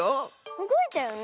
うごいたよね